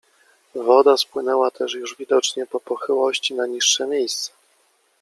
Woda spłynęła też już widocznie po pochyłości na niższe miejsca.